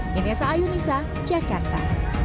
diriasa ayunisa jakarta